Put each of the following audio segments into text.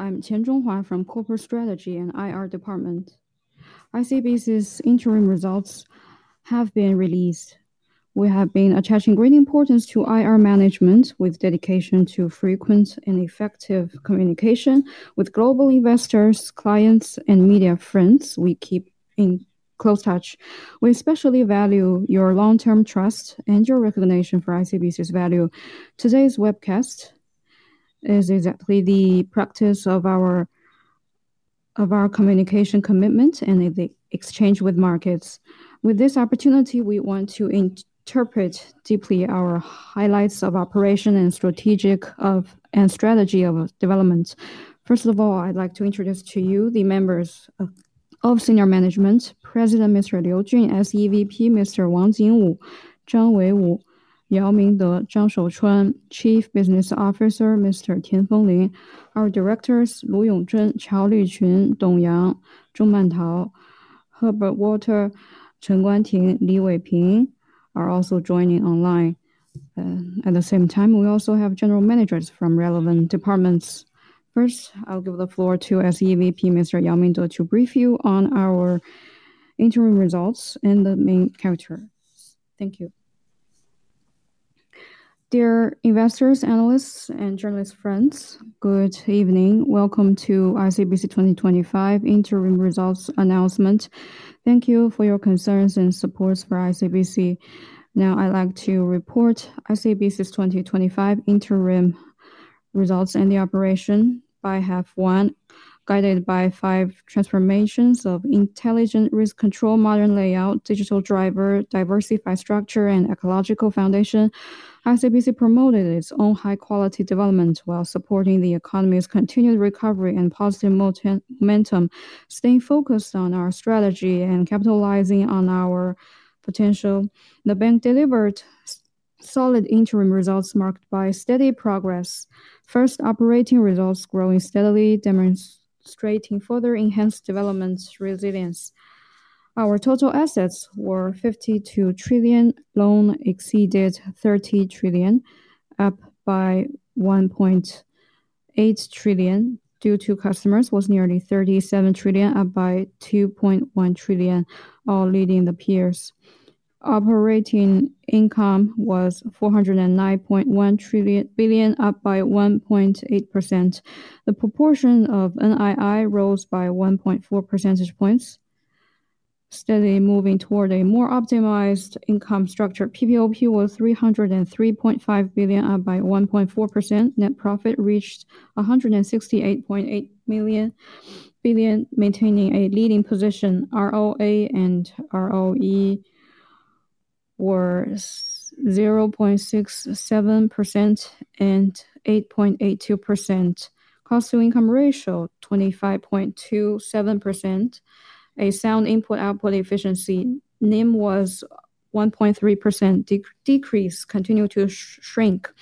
I am Chen Zhonghua from Corporate Strategy and IR Department. Our ICBC's interim results have been released. We have been attaching great importance to IR management with dedication to frequent and effective communication with global investors, clients, and media friends. We keep in close touch. We especially value your long-term trust and your recognition for ICBC's value. Today's webcast is exactly the practice of our communication commitment and the exchange with markets. With this opportunity, we want to interpret deeply our highlights of operation and strategy of development. First of all, I'd like to introduce to you the members of senior management: President Mr. Liu Jun, SEVP Mr. Wang Jingwu, Zhang Weiwu, Yao Mingde, Zhang Shouchuan, Chief Business Officer Mr. Tianfeng Li, our directors Lu Yongzhen, Zhao Liqun, Dong Yang, Zhong Mantou, Herbert Walter, Chen Guanqing, Li Weiping, are also joining online.At the same time, we also have general managers from relevant departments. First, I'll give the floor to SEVP Mr. Yao Mingde to brief you on our interim results and the main character. Thank you. Dear investors, analysts, and journalist friends, good evening. Welcome to ICBC 2025 interim results announcement. Thank you for your concerns and support for ICBC. Now, I'd like to report ICBC's 2025 interim results and the operation by half one. Guided by five transformations of intelligent risk control, modern layout, digital driver, diversified structure, and ecological foundation, ICBC promoted its own high-quality development while supporting the economy's continued recovery and positive momentum, staying focused on our strategy and capitalizing on our potential. The bank delivered solid interim results marked by steady progress. First, operating results growing steadily, demonstrating further enhanced development resilience. Our total assets were 52 trillion, loan exceeded 30 trillion, up by 1.8 trillion, due to customers, was nearly 37 trillion, up by 2.1 trillion, all leading the peers. Operating income was 409.1 billion, up by 1.8%. The proportion of NII rose by 1.4 percentage points, steadily moving toward a more optimized income structure. PPOP was 303.5 billion, up by 1.4%. Net profit reached 168.8 billion, maintaining a leading position. ROA and ROE were 0.67% and 8.82%. Cost-to-income ratio 25.27%. A sound input-output efficiency. NIM was 1.3% decreased, continued to shrink.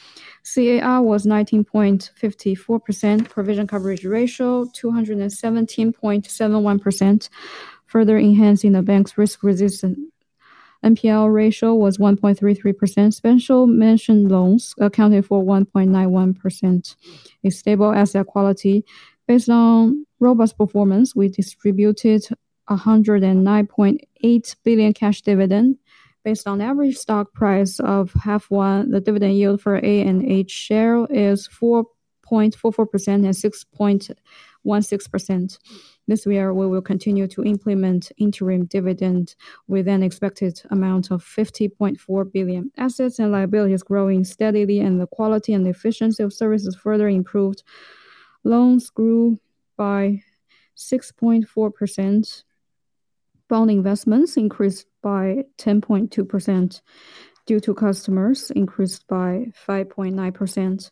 CAR was 19.54%. Provision coverage ratio 217.71%, further enhancing the bank's risk resistance. NPL ratio was 1.33%. Special mention loans accounted for 1.91%. A stable asset quality. Based on robust performance, we distributed 109.8 billion cash dividend. Based on average stock price of half one, the dividend yield for A shares and H shares is 4.44% and 6.16%. This year, we will continue to implement interim dividend with an expected amount of 50.4 billion. Assets and liabilities growing steadily, and the quality and efficiency of services further improved. Loans grew by 6.4%. Fund investments increased by 10.2% due to customers, increased by 5.9%.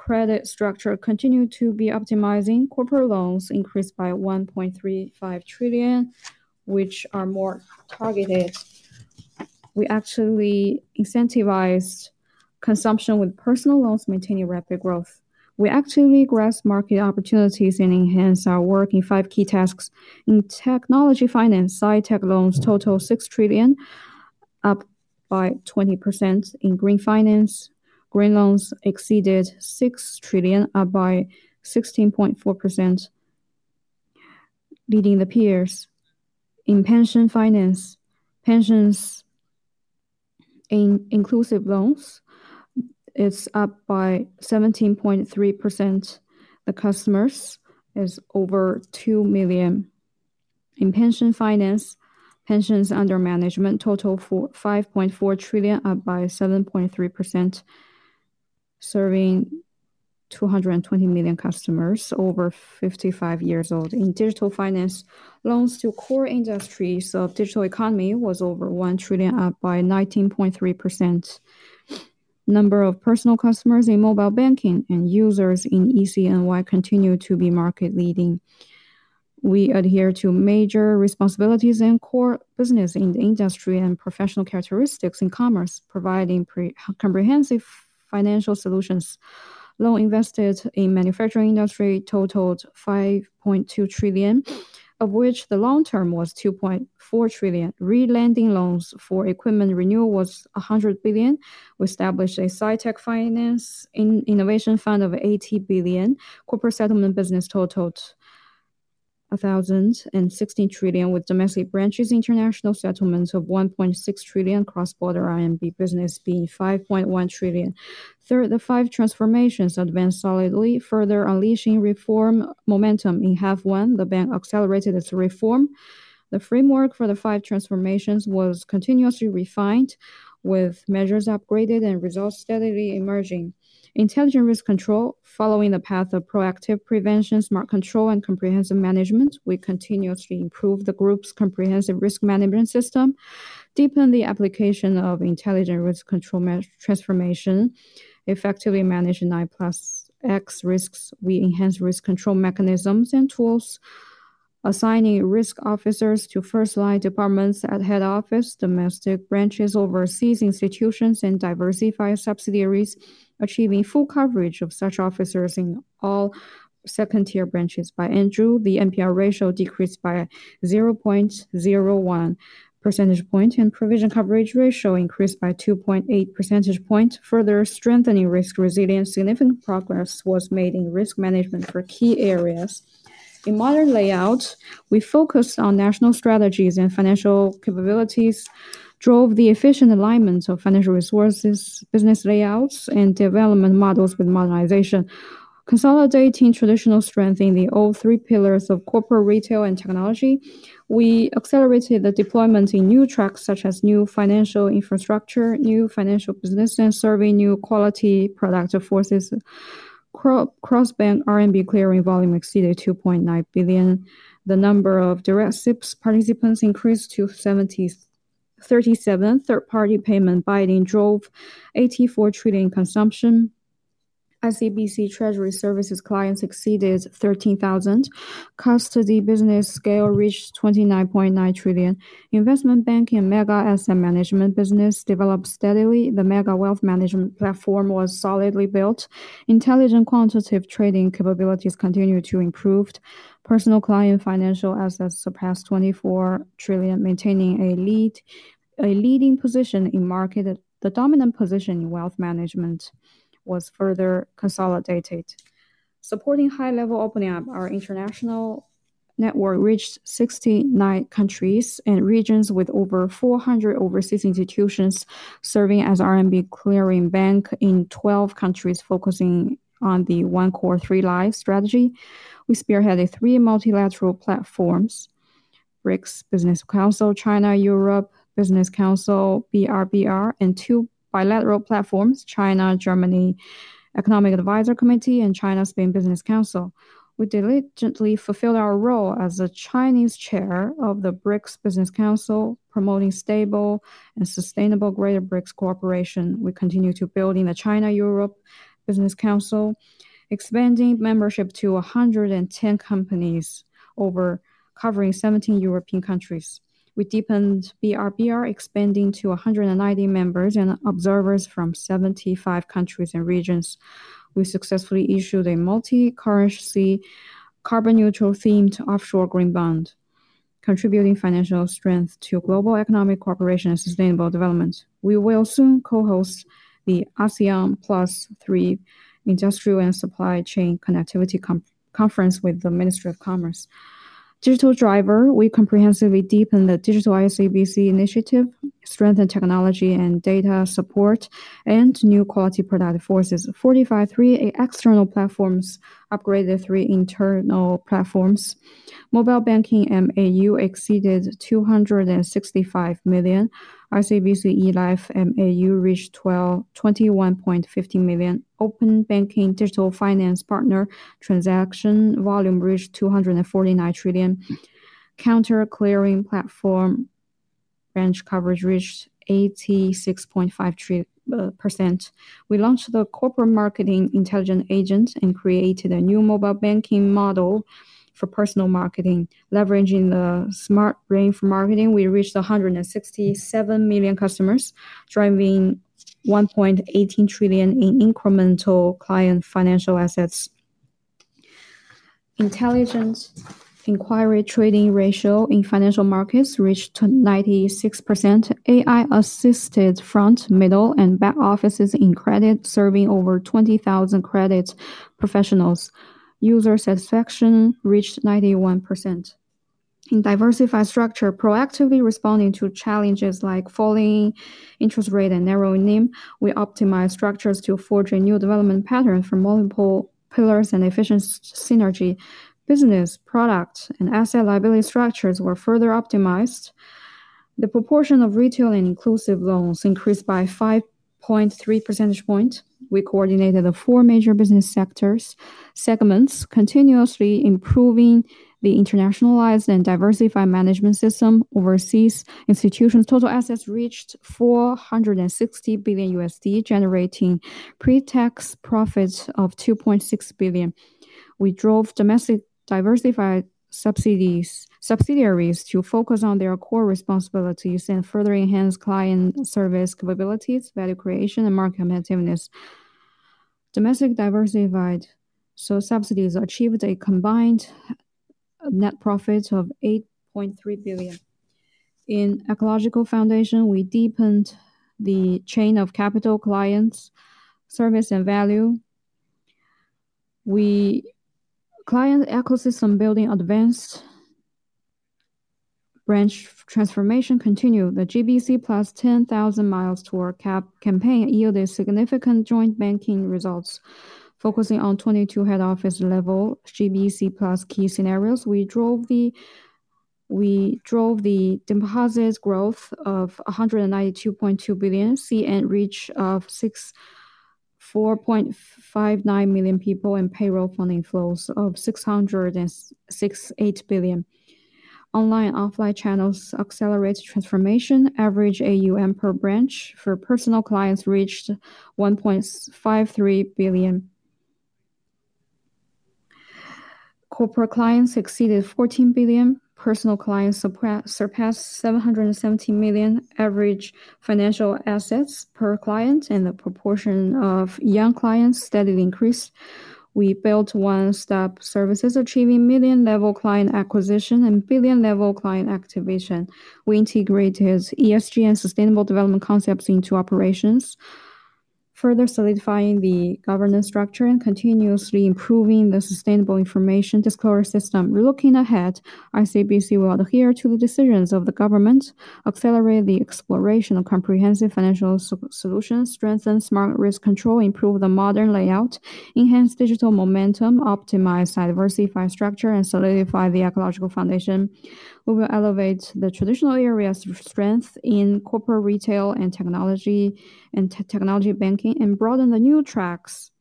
Credit structure continued to be optimizing. Corporate loans increased by 1.35 trillion, which are more targeted. We actually incentivized consumption with personal loans, maintaining rapid growth. We actually grasped market opportunities and enhanced our work in five key tasks. In technology finance, sci-tech loans total 6 trillion, up by 20%. In green finance, green loans exceeded 6 trillion, up by 16.4%, leading the peers. In pension finance, pensions and inclusive loans are up by 17.3%. The customers are over 2 million. In pension finance, pension assets under management total 5.4 trillion, up by 7.3%, serving 220 million customers over 55 years old. In digital finance, loans to core industries of digital economy were over 1 trillion, up by 19.3%. The number of personal customers in mobile banking and users in ECNY continued to be market-leading. We adhere to major responsibilities in core business in the industry and professional characteristics in commerce, providing comprehensive financial solutions. Loan invested in the manufacturing industry totaled 5.2 trillion, of which the long-term was 2.4 trillion. Relending loans for equipment renewal was 100 billion. We established a sci-tech finance innovation fund of 80 billion. Corporate settlement business totaled 1,016 trillion, with domestic branches international settlements of 1.6 trillion, cross-border RMB business being 5.1 trillion. Third, the five transformations advanced solidly, further unleashing reform momentum. In half one, the bank accelerated its reform. The framework for the five transformations was continuously refined, with measures upgraded and results steadily emerging. Intelligent risk control, following the path of proactive prevention, smart control, and comprehensive management, we continuously improved the group's comprehensive risk management system, deepened the application of intelligent risk control transformation, effectively managing 9+ X risks. We enhanced risk control mechanisms and tools, assigning risk officers to first-line departments at Head Office, domestic branches, overseas institutions, and diversified subsidiaries, achieving full coverage of such officers in all second-tier branches. By end of June, the NPR ratio decreased by 0.01 percentage point, and provision coverage ratio increased by 2.8 percentage points, further strengthening risk resilience. Significant progress was made in risk management for key areas. In modern layout, we focused on national strategies and financial capabilities, drove the efficient alignment of financial resources, business layouts, and development models with modernization, consolidating traditional strength in the old three pillars of corporate, retail, and technology. We accelerated the deployment in new tracks such as new financial infrastructure, new financial business, and serving new quality productive forces. Cross-border RMB clearing volume exceeded 2.9 trillion. The number of direct SIPs participants increased to 77. Third-party payment buying drove 84 trillion consumption. ICBC Treasury Services clients exceeded 13,000. Custody business scale reached 29.9 trillion. Investment banking mega asset management business developed steadily. The mega wealth management platform was solidly built. Intelligent quantitative trading capabilities continued to improve. Personal client financial assets surpassed 24 trillion, maintaining a leading position in market. The dominant position in wealth management was further consolidated. Supporting high-level opening up, our international network reached 69 countries and regions with over 400 overseas institutions serving as RMB clearing bank in 12 countries focusing on the One Core Three Lives strategy. We spearheaded three multilateral platforms: BRICS Business Council, China-Europe Business Council BRBR, and two bilateral platforms: China-Germany Economic Advisory Committee and China-Spain Business Council. We diligently fulfilled our role as the Chinese chair of the BRICS Business Council, promoting stable and sustainable greater BRICS cooperation. We continue to build in the China-Europe Business Council, expanding membership to 110 companies covering 17 European countries. We deepened BRBR, expanding to 190 members and observers from 75 countries and regions. We successfully issued a multi-currency carbon-neutral themed offshore green bond, contributing financial strength to global economic cooperation and sustainable development. We will soon co-host the ASEAN Plus III Industrial and Supply Chain Connectivity Conference with the Ministry of Commerce. Digital driver, we comprehensively deepened the digital ICBC initiative, strengthened technology and data support, and new quality productive forces. Forty-five three external platforms upgraded three internal platforms. Mobile banking MAU exceeded 265 million. ICBC eLife MAU reached 21.15 million. Open banking digital finance partner transaction volume reached 249 trillion. Counter clearing platform branch coverage reached 86.5%. We launched the corporate marketing intelligent agent and created a new mobile banking model for personal marketing. Leveraging the smart brain for marketing, we reached 167 million customers, driving 1.18 trillion in incremental client financial assets. Intelligent inquiry trading ratio in financial markets reached 96%. AI-assisted front, middle, and back offices in credit, serving over 20,000 credit professionals. User satisfaction reached 91%. In diversified structure, proactively responding to challenges like falling interest rate and narrowing NIM, we optimized structures to forge a new development pattern from multiple pillars and efficient synergy. Business, product, and asset-liability structures were further optimized. The proportion of retail and inclusive loans increased by 5.3%. We coordinated the four major business sectors segments, continuously improving the internationalized and diversified management system. Overseas institutions, total assets reached $460 billion, generating pre-tax profits of $2.6 billion. We drove domestic diversified subsidiaries to focus on their core responsibilities and further enhance client service capabilities, value creation, and market competitiveness. Domestic diversified subsidiaries achieved a combined net profit of 8.3 billion. In ecological foundation, we deepened the chain of capital, clients, service, and value. Client ecosystem building advanced branch transformation continued. The GBC plus 10,000 miles to our cap campaign yielded significant joint banking results. Focusing on 22 head office level GBC plus key scenarios, we drove the deposit growth of 192.2 billion, see and reach of 4.59 million people, and payroll funding flows of 608 billion. Online and offline channels accelerated transformation. Average AUM per branch for personal clients reached 1.53 billion. Corporate clients exceeded 14 billion. Personal clients surpassed 770 million. Average financial assets per client and the proportion of young clients steadily increased. We built one-stop services, achieving million-level client acquisition and billion-level client activation. We integrated ESG and sustainable development concepts into operations, further solidifying the governance structure and continuously improving the sustainable information disclosure system. Looking ahead, ICBC will adhere to the decisions of the government, accelerate the exploration of comprehensive financial solutions, strengthen smart risk control, improve the modern layout, enhance digital momentum, optimize diversified structure, and solidify the ecological foundation. We will elevate the traditional areas of strength in corporate, retail, and technology banking and broaden the new tracks.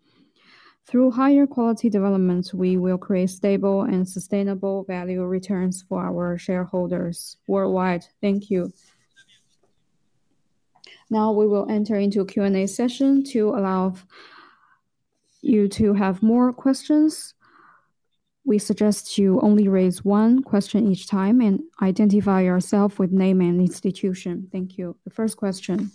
Through higher quality developments, we will create stable and sustainable value returns for our shareholders worldwide. Thank you. Now we will enter into a Q&A session to allow you to have more questions. We suggest you only raise one question each time and identify yourself with name and institution. Thank you. The first question.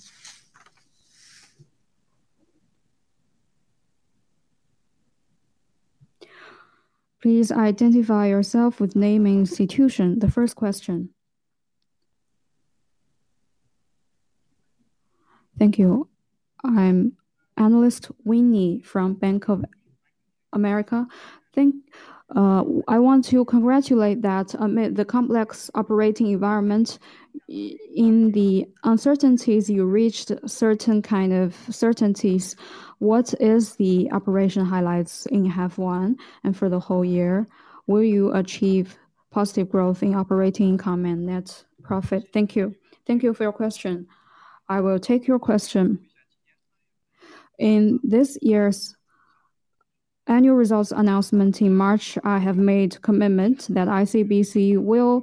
Please identify yourself with name and institution. The first question. Thank you. I'm Analyst Winnie from Bank of America. I want to congratulate that amid the complex operating environment, in the uncertainties, you reached certain kind of certainties. What is the operation highlights in half one and for the whole year? Will you achieve positive growth in operating income and net profit? Thank you. Thank you for your question. I will take your question. In this year's annual results announcement in March, I have made a commitment that ICBC will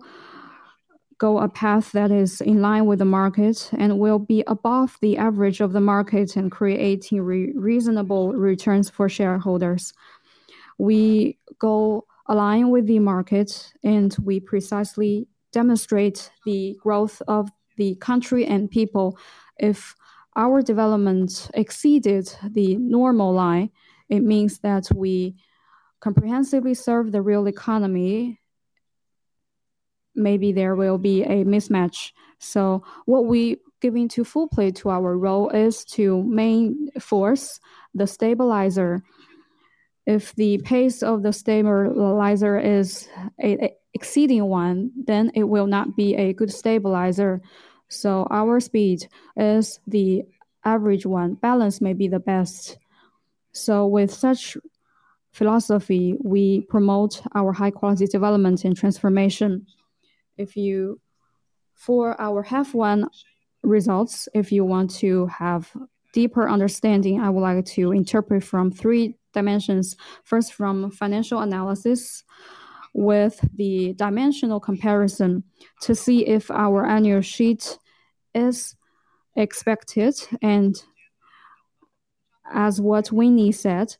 go a path that is in line with the market and will be above the average of the market and create reasonable returns for shareholders. We go aligned with the market and we precisely demonstrate the growth of the country and people. If our development exceeded the normal line, it means that we comprehensively serve the real economy. Maybe there will be a mismatch. What we give into full play to our role is to main force the stabilizer. If the pace of the stabilizer is exceeding one, then it will not be a good stabilizer. Our speed is the average one. Balance may be the best. With such philosophy, we promote our high-quality development and transformation. For our half one results, if you want to have a deeper understanding, I would like to interpret from three dimensions. First, from financial analysis with the dimensional comparison to see if our annual sheet is expected. As what Winnie said,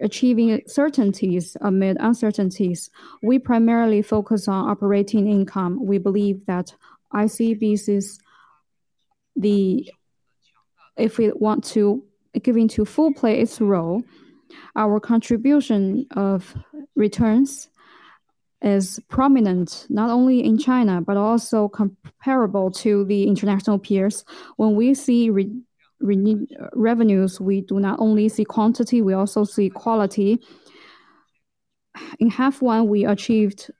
achieving certainties amid uncertainties. We primarily focus on operating income. We believe that ICBC's, if we want to give into full play its role, our contribution of returns is prominent, not only in China, but also comparable to the international peers. When we see revenues, we do not only see quantity, we also see quality. In half one, we achieved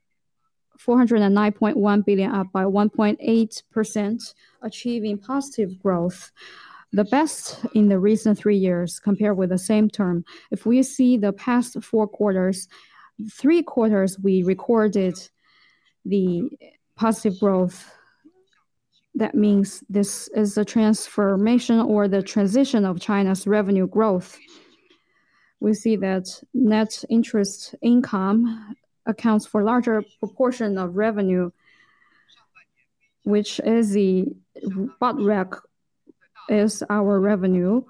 409.1 billion, up by 1.8%, achieving positive growth. The best in the recent three years compared with the same term. If we see the past four quarters, three quarters we recorded the positive growth, that means this is the transformation or the transition of China's revenue growth. We see that net interest income accounts for a larger proportion of revenue, which is the [backbone] is our revenue.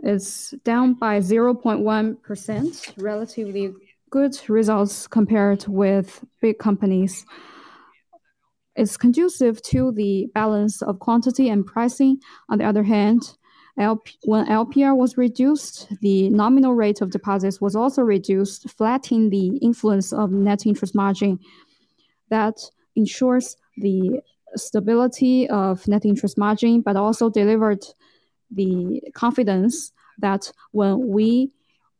It's down by 0.1%, relatively good results compared with big companies. It's conducive to the balance of quantity and pricing. On the other hand, when LPR was reduced, the nominal rate of deposits was also reduced, flattening the influence of net interest margin. That ensures the stability of net interest margin, but also delivered the confidence that when we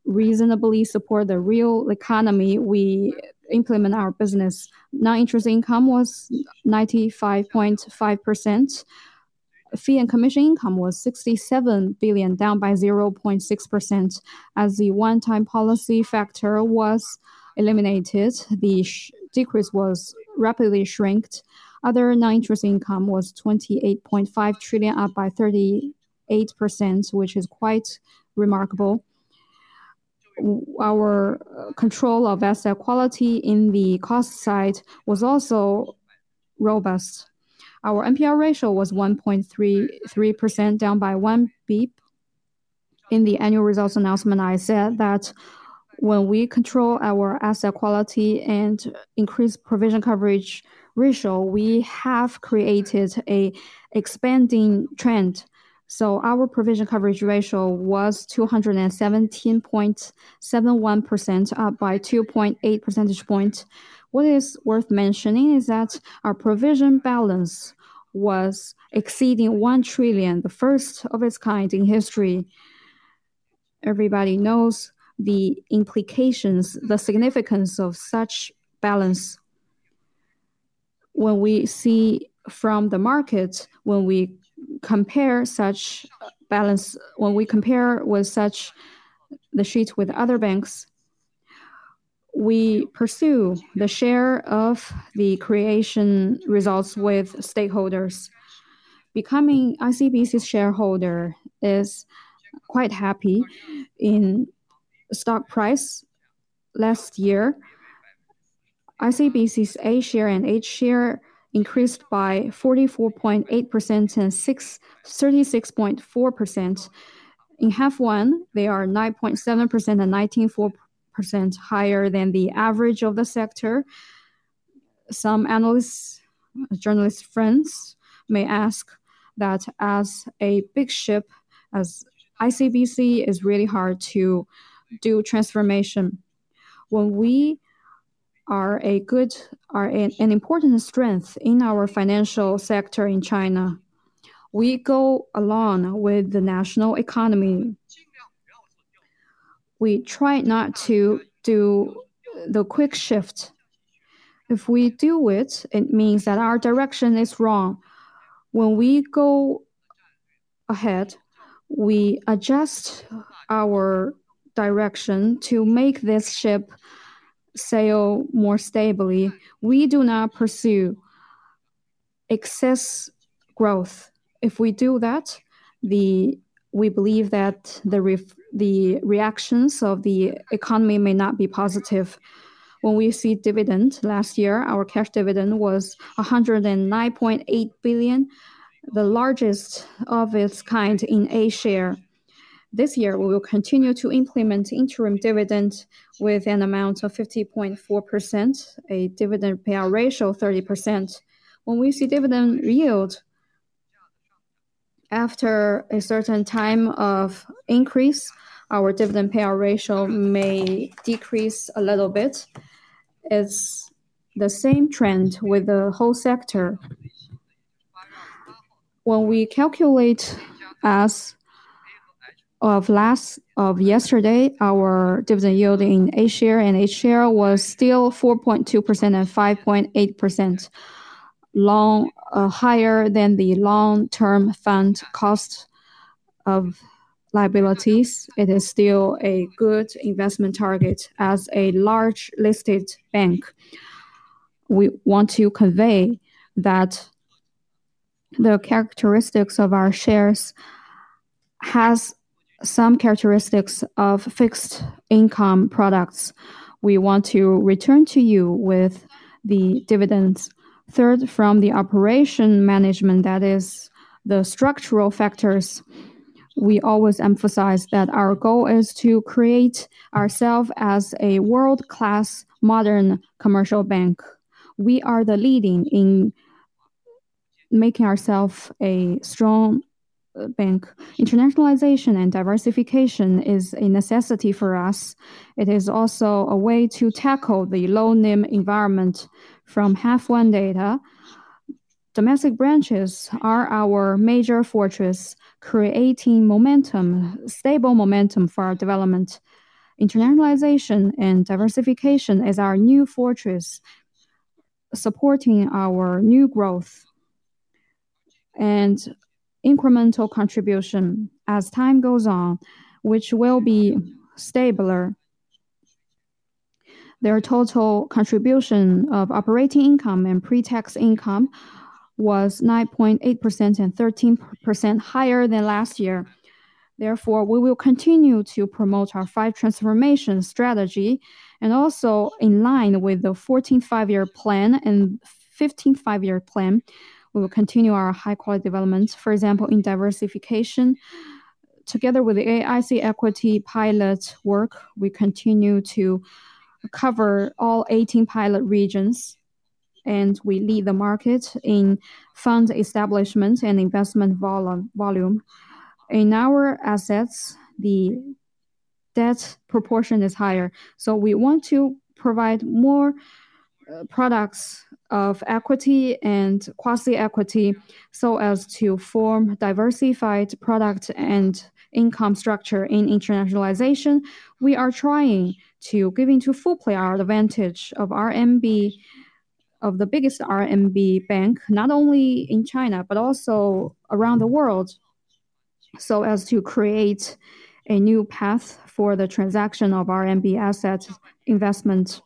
reasonably support the real economy, we implement our business. Non-interest income was 95.5%. Fee and commission income was 67 billion, down by 0.6%. As the one-time policy factor was eliminated, the decrease was rapidly shrinked. Other non-interest income was 28.5 billion, up by 38%, which is quite remarkable. Our control of asset quality in the cost side was also robust. Our NPR ratio was 1.33%, down by 1 basis points. In the annual results announcement, I said that when we control our asset quality and increase provision coverage ratio, we have created an expanding trend. Our provision coverage ratio was 217.71%, up by 2.8 percentage points. What is worth mentioning is that our provision balance was exceeding 1 trillion, the first of its kind in history. Everybody knows the implications, the significance of such balance. When we see from the market, when we compare such balance, when we compare with such the sheet with other banks, we pursue the share of the creation results with stakeholders. Becoming ICBC's shareholder is quite happy. In stock price last year, ICBC's A share and H share increased by 44.8% and 36.4%. In half one, they are 9.7% and 19.4% higher than the average of the sector. Some analysts, journalist friends may ask that as a big ship, ICBC is really hard to do transformation. When we are an important strength in our financial sector in China, we go along with the national economy. We try not to do the quick shift. If we do it, it means that our direction is wrong. When we go ahead, we adjust our direction to make this ship sail more stably. We do not pursue excess growth. If we do that, we believe that the reactions of the economy may not be positive. When we see dividend, last year, our cash dividend was ¥109.8 billion, the largest of its kind in A share. This year, we will continue to implement interim dividend with an amount of 50.4%, a dividend payout ratio of 30%. When we see dividend yield, after a certain time of increase, our dividend payout ratio may decrease a little bit. It's the same trend with the whole sector. When we calculate as of last of yesterday, our dividend yield in A share and H share was still 4.2% and 5.8% higher than the long-term fund cost of liabilities. It is still a good investment target as a large listed bank. We want to convey that the characteristics of our shares have some characteristics of fixed income products. We want to return to you with the dividends. Third, from the operation management, that is the structural factors, we always emphasize that our goal is to create ourselves as a world-class modern commercial bank. We are the leading in making ourselves a strong bank. Internationalization and diversification is a necessity for us. It is also a way to tackle the low NIM environment. From half one data, domestic branches are our major fortress, creating stable momentum for our development. Internationalization and diversification is our new fortress, supporting our new growth and incremental contribution as time goes on, which will be stable. Their total contribution of operating income and pre-tax income was 9.8% and 13% higher than last year. Therefore, we will continue to promote our five transformations strategy and also in line with the 14-5-year plan and 15-5-year plan. We will continue our high-quality development, for example, in diversification. Together with the AIC equity pilot work, we continue to cover all 18 pilot regions, and we lead the market in fund establishment and investment volume. In our assets, the debt proportion is higher. We want to provide more products of equity and quasi-equity so as to form diversified product and income structure in internationalization. We are trying to give into full play our advantage of the biggest RMB bank, not only in China, but also around the world, so as to create a new path for the transaction of RMB asset investment.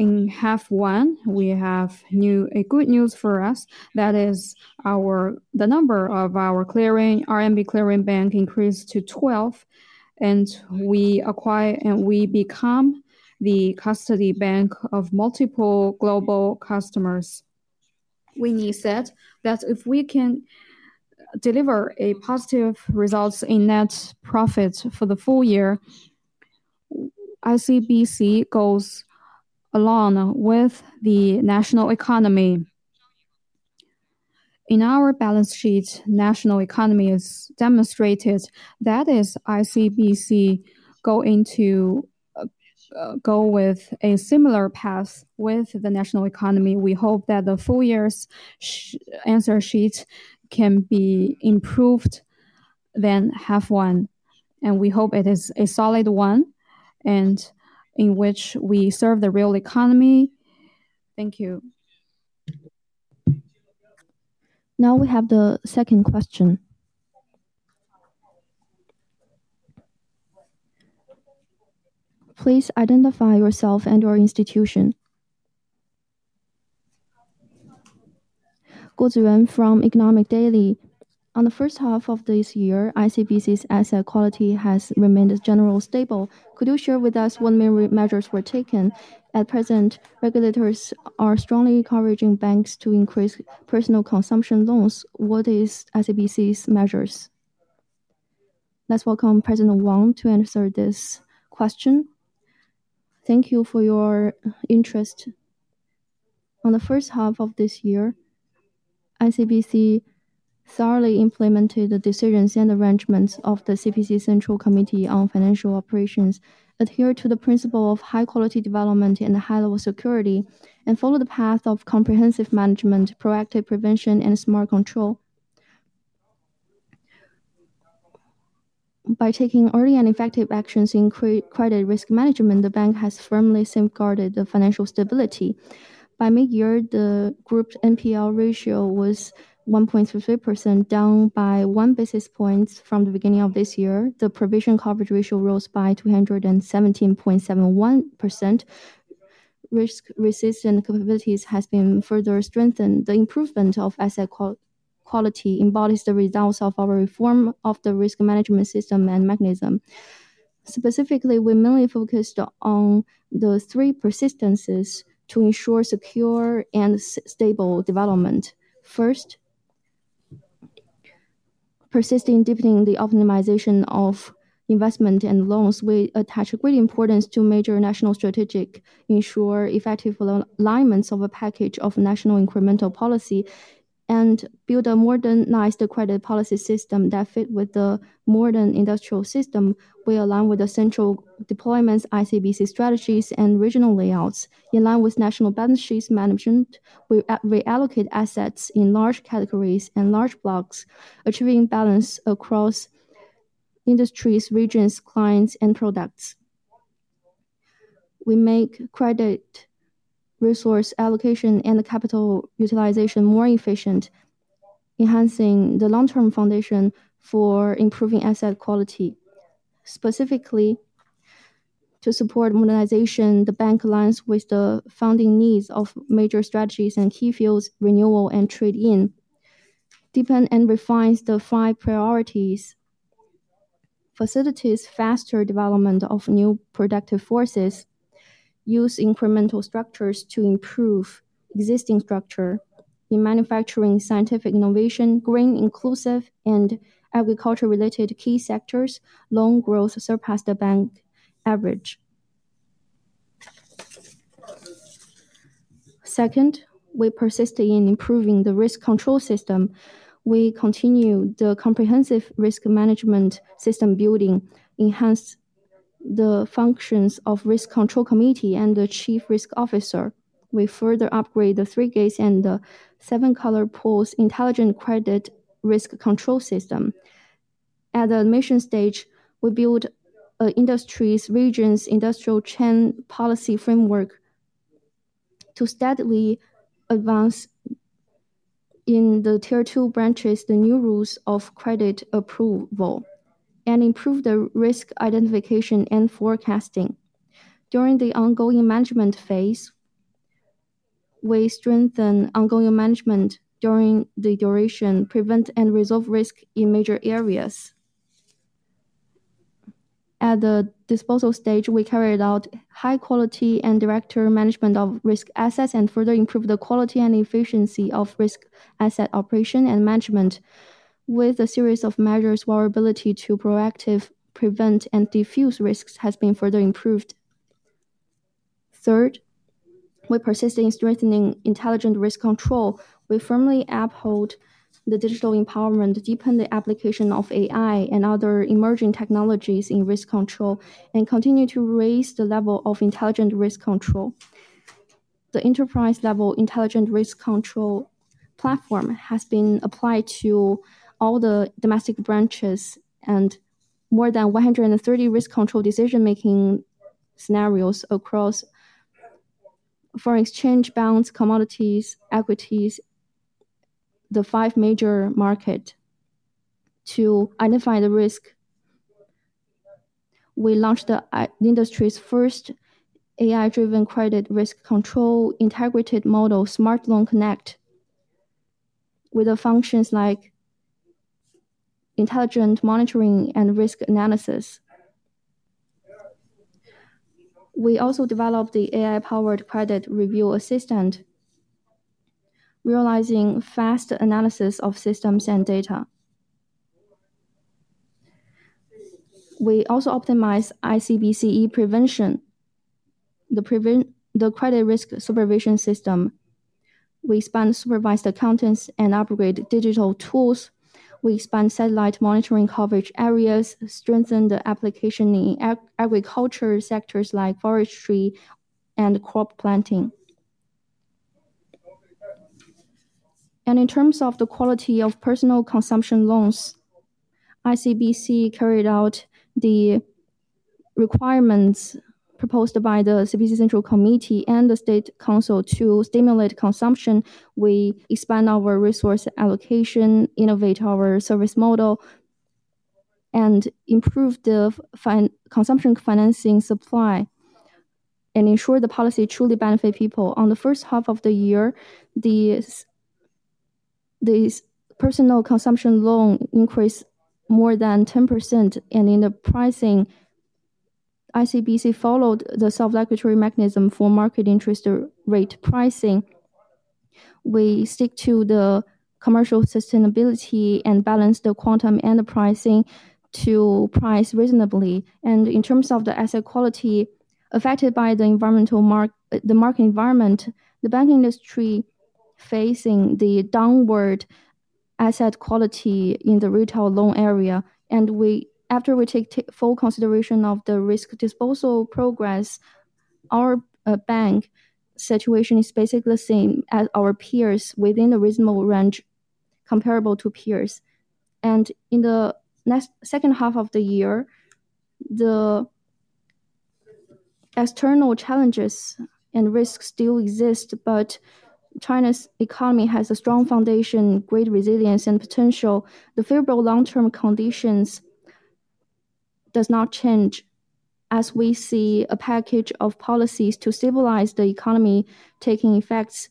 In half one, we have new good news for us. That is the number of our RMB clearing banks increased to 12, and we acquire and we become the custody bank of multiple global customers. Winnie said that if we can deliver positive results in net profit for the full year, ICBC goes along with the national economy. In our balance sheet, national economy is demonstrated. That is ICBC going to go with a similar path with the national economy. We hope that the full year's answer sheet can be improved than half one, and we hope it is a solid one and in which we serve the real economy. Thank you. Now we have the second question. Please identify yourself and your institution. Guo Ziyuan from Economic Daily. On the first half of this year, ICBC's asset quality has remained generally stable. Could you share with us what measures were taken? At present, regulators are strongly encouraging banks to increase personal consumption loans. What is ICBC's measures? Let's welcome President Wang to answer this question. Thank you for your interest. On the first half of this year, ICBC thoroughly implemented the decisions and arrangements of the CPC Central Committee on Financial Operations, adhered to the principle of high-quality development and high-level security, and followed the path of comprehensive management, proactive prevention, and smart control. By taking early and effective actions in credit risk management, the bank has firmly safeguarded the financial stability. By mid-year, the group NPR ratio was 1.33%, down by one basis point from the beginning of this year. The provision coverage ratio rose by 217.71%. Risk resistance and capabilities have been further strengthened. The improvement of asset quality embodies the results of our reform of the risk management system and mechanism. Specifically, we mainly focused on the three persistencies to ensure secure and stable development. First, persisting deepening the optimization of investment and loans. We attach great importance to major national strategies, ensure effective alignments of a package of national incremental policy, and build a modernized credit policy system that fits with the modern industrial system. We align with the central deployments, ICBC strategies, and regional layouts. In line with national balance sheets management, we reallocate assets in large categories and large blocks, achieving balance across industries, regions, clients, and products. We make credit resource allocation and capital utilization more efficient, enhancing the long-term foundation for improving asset quality. Specifically, to support modernization, the bank aligns with the founding needs of major strategies and key fields, renewal and trade-in, deepen and refine the five priorities, facilitate faster development of new productive forces, use incremental structures to improve existing structure in manufacturing, scientific innovation, grain inclusive, and agriculture-related key sectors. Loan growth surpassed the bank average. Second, we persist in improving the risk control system. We continue the comprehensive risk management system building, enhance the functions of the Risk Control Committee and the Chief Risk Officer. We further upgrade the three gates and the seven-color poles, intelligent credit risk control system. At the admission stage, we build an industries region's industrial chain policy framework to steadily advance in the tier two branches, the new rules of credit approval, and improve the risk identification and forecasting. During the ongoing management phase, we strengthen ongoing management during the duration, prevent and resolve risk in major areas. At the disposal stage, we carried out high-quality and direct management of risk assets and further improved the quality and efficiency of risk asset operation and management. With a series of measures, our ability to proactively prevent and diffuse risks has been further improved. Third, we persist in strengthening intelligent risk control. We firmly uphold the digital empowerment, deepen the application of AI and other emerging technologies in risk control, and continue to raise the level of intelligent risk control. The enterprise-level intelligent risk control platform has been applied to all the domestic branches and more than 130 risk control decision-making scenarios across foreign exchange, balance, commodities, equities, the five major markets to identify the risk. We launched the industry's first AI-driven credit risk control integrated model, Smart Loan Connect, with the functions like intelligent monitoring and risk analysis. We also developed the AI-powered credit review assistant, realizing fast analysis of systems and data. We also optimized ICBC e-prevention, the credit risk supervision system. We spun supervised accountants and upgraded digital tools. We spun satellite monitoring coverage areas, strengthened the application in agriculture sectors like forestry and crop planting. In terms of the quality of personal consumption loans, ICBC carried out the requirements proposed by the CPC Central Committee and the State Council to stimulate consumption. We expand our resource allocation, innovate our service model, and improve the consumption financing supply and ensure the policy truly benefits people. In the first half of the year, the personal consumption loan increased more than 10%. In the pricing, ICBC followed the self-regulatory mechanism for market interest rate pricing. We stick to the commercial sustainability and balance the quantum enterprising to price reasonably. In terms of the asset quality affected by the market environment, the bank industry is facing the downward asset quality in the retail loan area. After we take full consideration of the risk disposal progress, our bank situation is basically the same as our peers within the reasonable range comparable to peers. In the second half of the year, the external challenges and risks still exist, but China's economy has a strong foundation, great resilience, and potential. The favorable long-term conditions do not change as we see a package of policies to stabilize the economy, taking effects,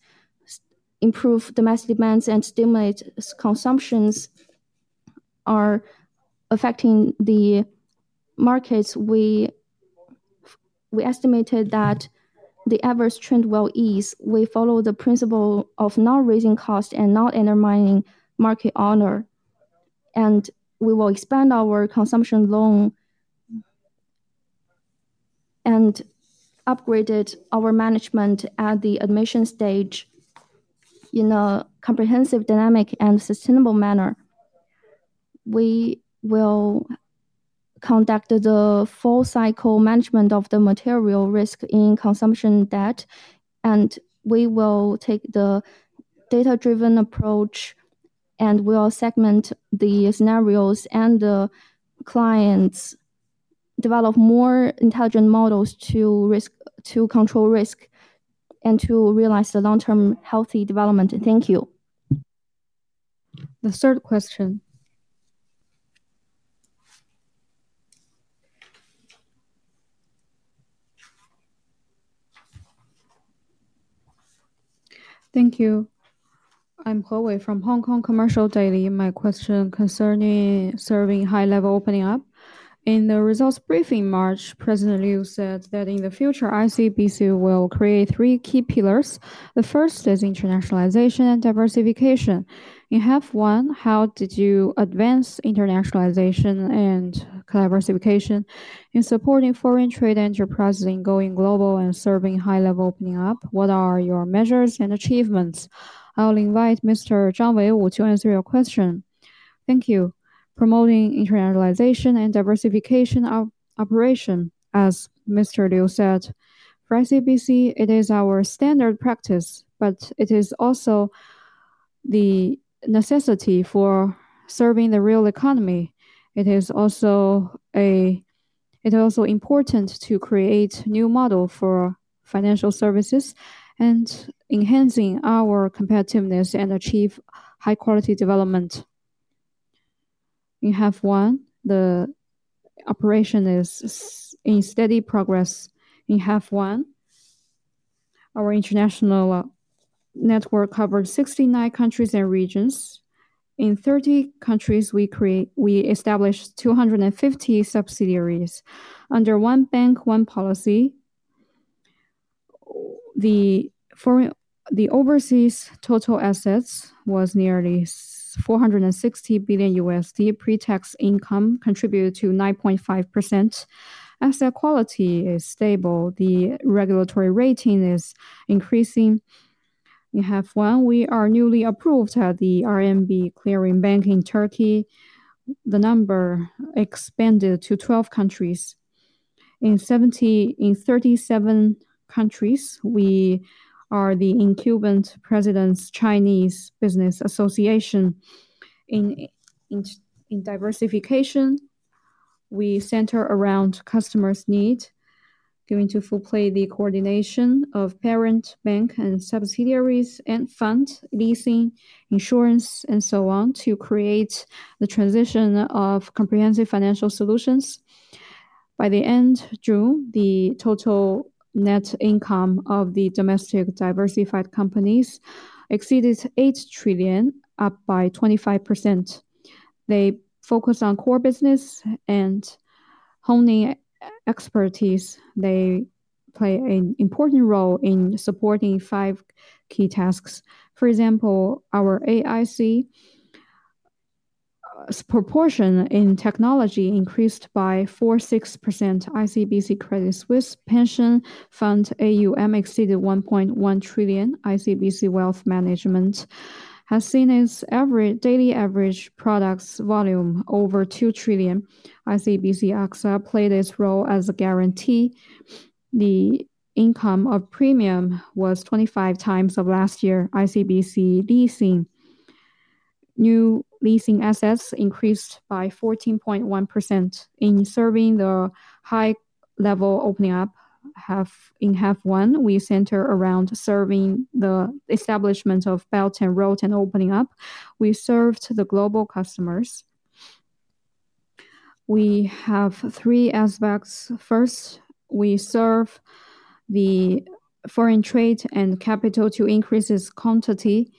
improve domestic demands, and stimulate consumptions are affecting the markets. We estimated that the average trend will ease. We follow the principle of not raising cost and not undermining market honor. We will expand our consumption loan and upgraded our management at the admission stage in a comprehensive, dynamic, and sustainable manner. We will conduct the full cycle management of the material risk in consumption debt, and we will take the data-driven approach, and we'll segment the scenarios and the clients, develop more intelligent models to control risk, and to realize the long-term healthy development. Thank you. The third question. Thank you. I'm Hou Wei from Hong Kong Commercial Daily. My question concerning serving high-level opening up. In the results brief in March, President Liu said that in the future, ICBC will create three key pillars. The first is internationalization and diversification. In half one, how did you advance internationalization and diversification in supporting foreign trade enterprises in going global and serving high-level opening up? What are your measures and achievements? I'll invite Mr. Zhang Wenwu to answer your question. Thank you. Promoting internationalization and diversification of operation, as Mr. Liu said, for ICBC, it is our standard practice, but it is also the necessity for serving the real economy. It is also important to create new models for financial services and enhancing our competitiveness and achieve high-quality development. In half one, the operation is in steady progress. In half one, our international network covers 69 countries and regions. In 30 countries, we established 250 subsidiaries. Under one bank, one policy, the overseas total assets were nearly $460 billion. Pre-tax income contributed to 9.5%. Asset quality is stable. The regulatory rating is increasing. In half one, we are newly approved as the RMB clearing bank in Turkey. The number expanded to 12 countries. In 37 countries, we are the incumbent president's Chinese business association. In diversification, we center around customers' need, giving full play to the coordination of parent bank and subsidiaries and fund leasing, insurance, and so on to create the transition of comprehensive financial solutions. By the end of June, the total net income of the domestic diversified companies exceeded 8 trillion, up by 25%. They focus on core business and honing expertise. They play an important role in supporting five key tasks. For example, our AIC proportion in technology increased by 46%. ICBC Credit Suisse pension Fund AUM exceeded 1.1 trillion. ICBC Wealth Management has seen its daily average products volume over 2 trillion. ICBC-AXA played its role as a guarantee. The income of premium was 25x of last year. ICBC Leasing new leasing assets increased by 14.1%. In serving the high-level opening up, in half one, we center around serving the establishment of Belt and Road and opening up. We served the global customers. We have three aspects. First, we serve the foreign trade and capital to increase its quantity.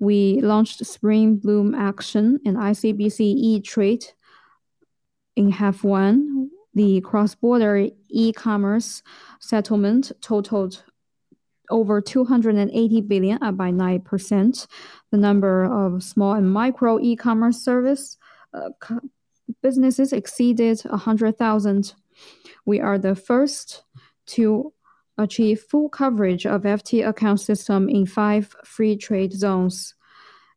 We launched Spring Bloom Action and ICBC eTrade. In half one, the cross-border e-commerce settlement totaled over 280 billion, up by 9%. The number of small and micro e-commerce service businesses exceeded 100,000. We are the first to achieve full coverage of FT account system in five free trade zones.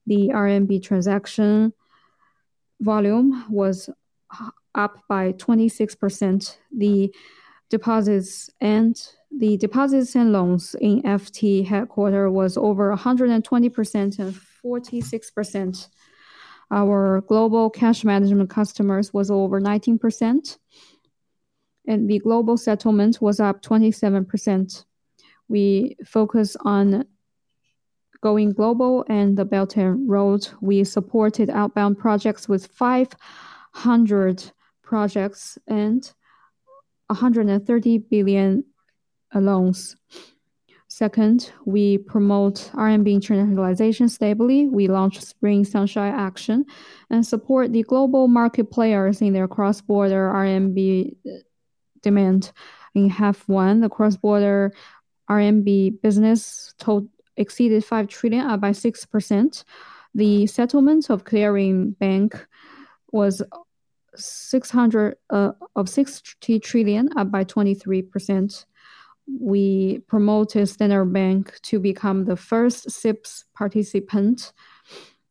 The RMB transaction volume was up by 26%. The deposits and loans in FT headquarters were over 120% and 46%. Our global cash management customers were over 19%, and the global settlement was up 27%. We focus on going global and the Belt and Road. We supported outbound projects with 500 projects and 130 billion loans. Second, we promote RMB internationalization stably. We launched Spring Sunshine Action and support the global market players in their cross-border RMB demand. In half one, the cross-border RMB business exceeded 5 trillion, up by 6%. The settlement of clearing bank was 60 trillion, up by 23%. We promoted Standard Bank to become the first SIPs participant,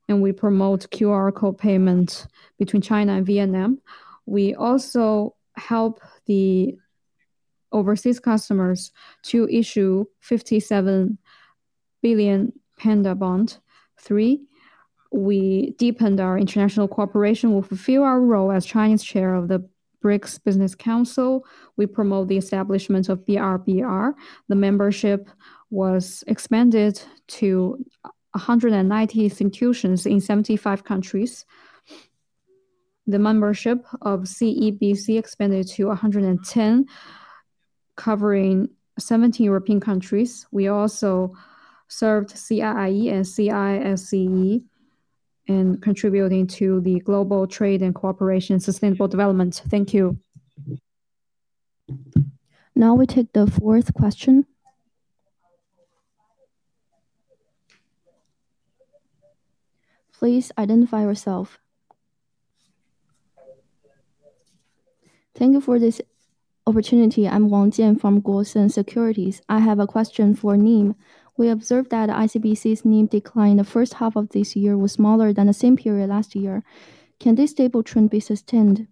and we promote QR co-payment between China and Vietnam. We also help the overseas customers to issue 57 billion panda bonds. Three, we deepened our international cooperation. We fulfill our role as Chinese chair of the BRICS Business Council. We promote the establishment of the RBR. The membership was expanded to 190 institutions in 75 countries. The membership of CEBC expanded to 110, covering 17 European countries. We also served CIIE and CISCE and contributed to the global trade and cooperation sustainable development. Thank you. Now we take the fourth question. Please identify yourself. Thank you for this opportunity. I'm Wang Jingwu from Guosen Securities. I have a question for NIM. We observed that ICBC's NIM declined the first half of this year was smaller than the same period last year. Can this stable trend be sustained?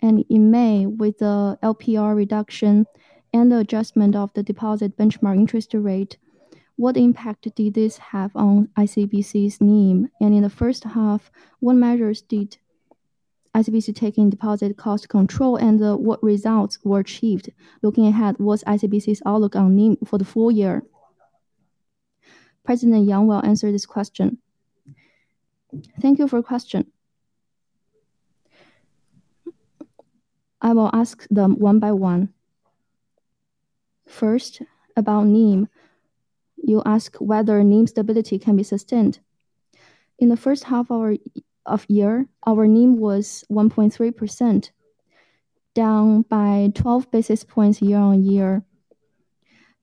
In May, with the LPR reduction and the adjustment of the deposit benchmark interest rate, what impact did this have on ICBC's NIM? In the first half, what measures did ICBC take in deposit cost control and what results were achieved? Looking ahead, what's ICBC's outlook on NIM for the full year? President Liu Jun will answer this question. Thank you for your question. I will ask them one by one. First, about NIM, you ask whether NIM stability can be sustained. In the first half of the year, our NIM was 1.3%, down by 12 basis points year on year,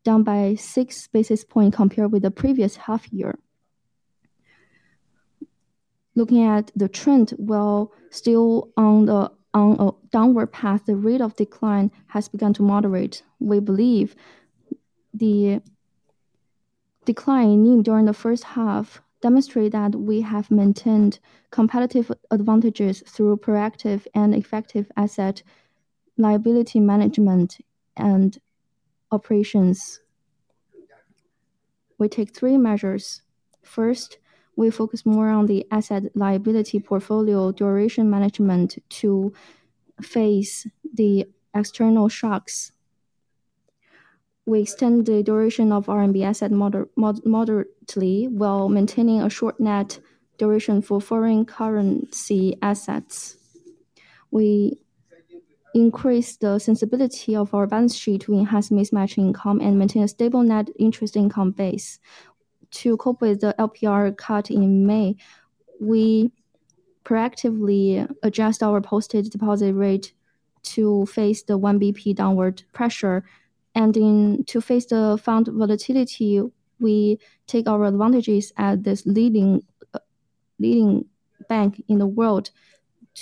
down by 6 basis points compared with the previous half year. Looking at the trend, while still on the downward path, the rate of decline has begun to moderate. We believe the decline in NIM during the first half demonstrated that we have maintained competitive advantages through proactive and effective asset-liability management and operations. We take three measures. First, we focus more on the asset-liability portfolio duration management to face the external shocks. We extend the duration of RMB assets moderately while maintaining a short net duration for foreign currency assets. We increase the sensibility of our balance sheet to enhance mismatch income and maintain a stable net interest income base. To cope with the LPR cut in May, we proactively adjust our posted deposit rate to face the 1 bp downward pressure. To face the fund volatility, we take our advantages as this leading bank in the world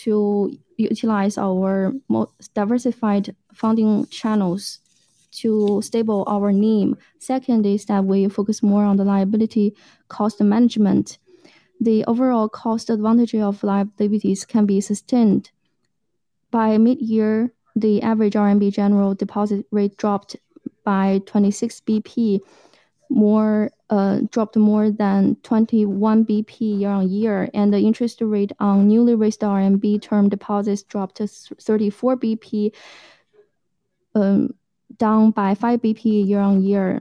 to utilize our more diversified funding channels to stabilize our NIM. Second is that we focus more on the liability cost management. The overall cost advantage of liabilities can be sustained. By mid-year, the average RMB general deposit rate dropped by 26 basis points, dropped more than 21 basis points year-on-year, and the interest rate on newly raised RMB term deposits dropped to 34 basis points, down by 5 basis points year-on-year.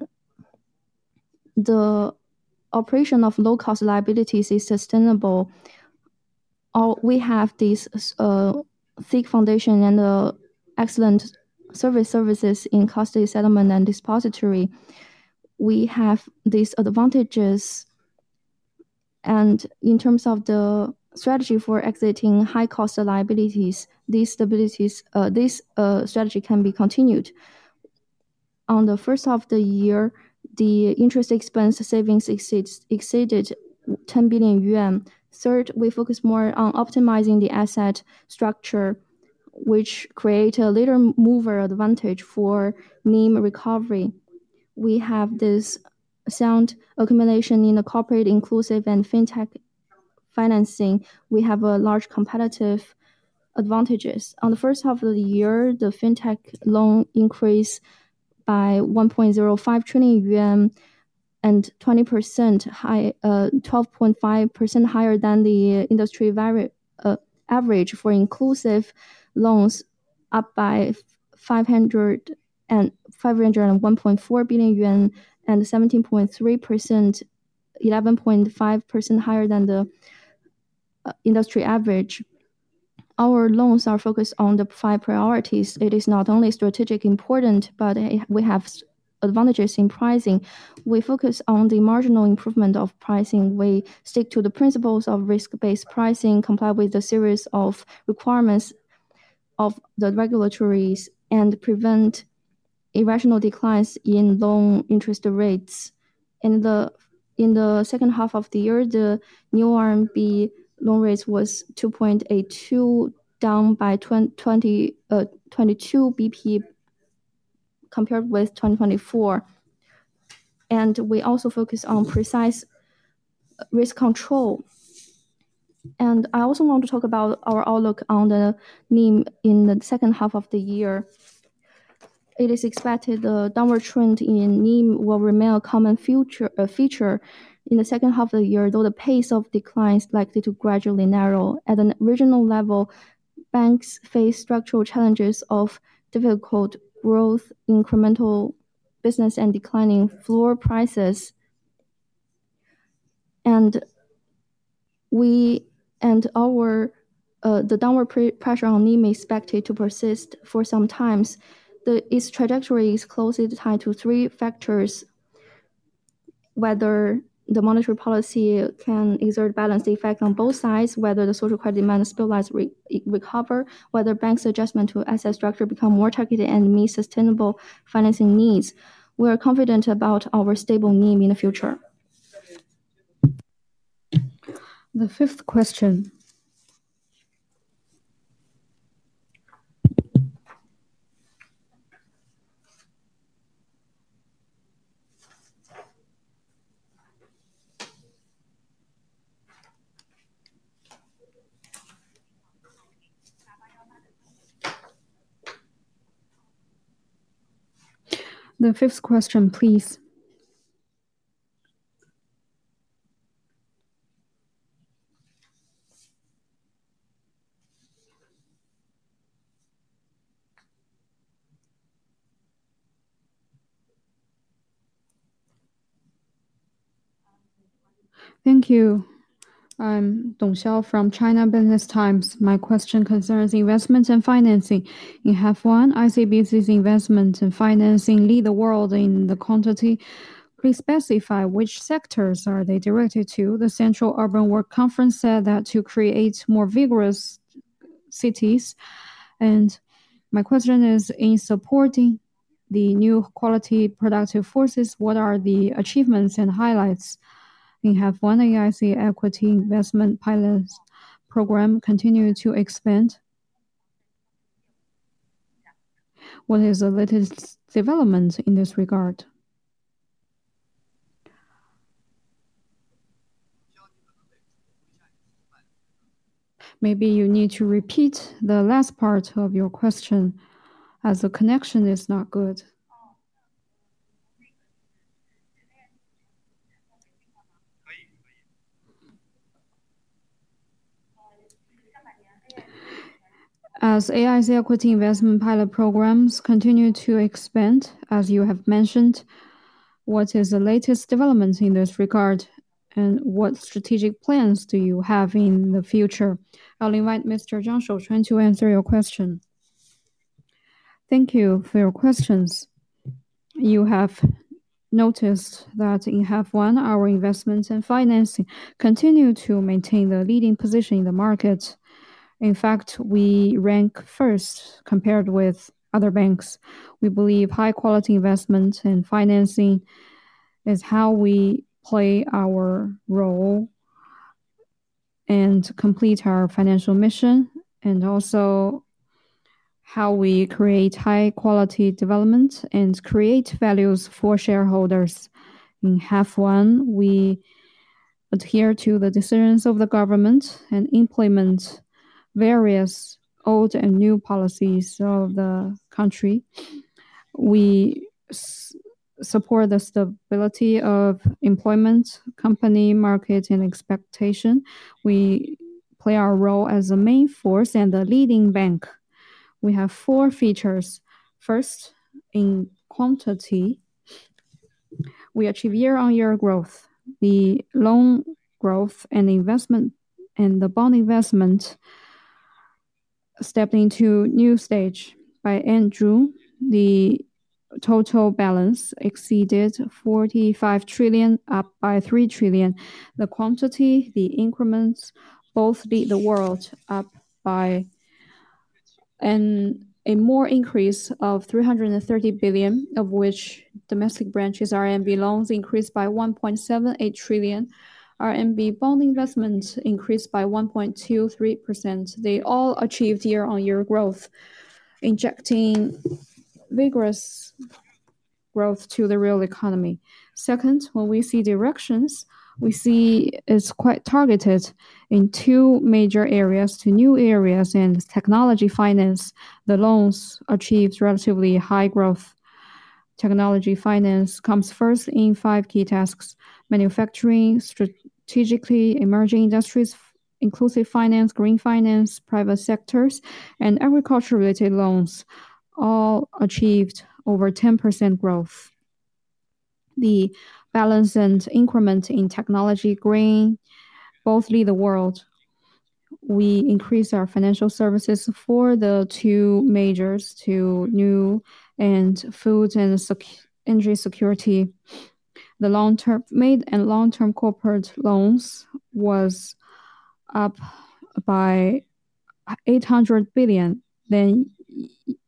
The operation of low-cost liabilities is sustainable. We have this thick foundation and the excellent services in custody, settlement, and depository. We have these advantages. In terms of the strategy for exiting high-cost liabilities, this strategy can be continued. In the first half of the year, the interest expense savings exceeded 10 billion yuan. Third, we focus more on optimizing the asset structure, which creates a little mover advantage for NIM recovery. We have this sound accumulation in the corporate inclusive and fintech financing. We have large competitive advantages. In the first half of the year, the fintech loan increased by 1.05 trillion yuan and 20% high, 12.5% higher than the industry average for inclusive loans, up by 501.4 billion yuan and 17.3%, 11.5% higher than the industry average. Our loans are focused on the five priorities. It is not only strategically important, but we have advantages in pricing. We focus on the marginal improvement of pricing. We stick to the principles of risk-based pricing, comply with the series of requirements of the regulators, and prevent irrational declines in loan interest rates. In the second half of the year, the new RMB loan rate was 2.82%, down by 22 basis points compared with 2024. We also focus on precise risk control. I also want to talk about our outlook on the NIM in the second half of the year. It is expected the downward trend in NIM will remain a common feature in the second half of the year, though the pace of decline is likely to gradually narrow. At an original level, banks face structural challenges of difficult growth, incremental business, and declining floor prices. The downward pressure on NIM is expected to persist for some time. Its trajectory is closely tied to three factors. Whether the monetary policy can exert balance effect on both sides, whether the social credit demand and stabilize recover, whether banks' adjustment to asset structure become more targeted and meet sustainable financing needs, we are confident about our stable NIM in the future. The fifth question, please. Thank you. I'm Dong Xiao from China Business Times. My question concerns investments and financing. In half one, ICBC's investments and financing lead the world in the quantity. Please specify which sectors are they directed to. The Central Urban Work Conference said that to create more vigorous cities. My question is, in supporting the new quality productive forces, what are the achievements and highlights? In half one, AIC equity investment pilot program continues to expand. What is the latest development in this regard? Maybe you need to repeat the last part of your question as the connection is not good. As AIC equity investment pilot programs continue to expand, as you have mentioned, what is the latest development in this regard and what strategic plans do you have in the future? I'll invite Mr. Zhang Shouchuan to answer your question. Thank you for your questions. You have noticed that in half one, our investments and financing continue to maintain the leading position in the market. In fact, we rank first compared with other banks. We believe high-quality investment and financing is how we play our role and complete our financial mission, and also how we create high-quality development and create values for shareholders. In half one, we adhere to the decisions of the government and implement various old and new policies of the country. We support the stability of employment, company market, and expectation. We play our role as a main force and a leading bank. We have four features. First, in quantity, we achieve year-on-year growth. The loan growth and the bond investment stepped into a new stage. By end of June, the total balance exceeded 45 trillion, up by 3 trillion. The quantity, the increments, both lead the world, up by a more increase of 330 billion, of which domestic branches RMB loans increased by 1.78 trillion. RMB bond investments increased by 1.23%. They all achieved year-on-year growth, injecting vigorous growth to the real economy. Second, when we see directions, we see it's quite targeted in two major areas to new areas in technology finance. The loans achieve relatively high growth. Technology finance comes first in five key tasks: manufacturing, strategically emerging industries, inclusive finance, green finance, private sectors, and agriculture-related loans. All achieved over 10% growth. The balance and increment in technology grain both lead the world. We increase our financial services for the two majors to new and food and energy security. The long-term made and long-term corporate loans were up by 800 billion. At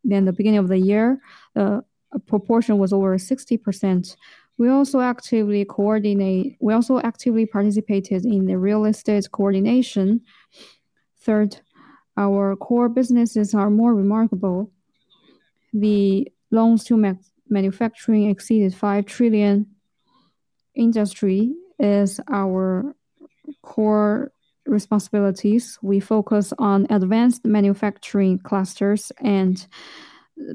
the beginning of the year, the proportion was over 60%. We also actively participated in the real estate coordination. Third, our core businesses are more remarkable. The loans to manufacturing exceeded 5 trillion. Industry is our core responsibilities. We focus on advanced manufacturing clusters and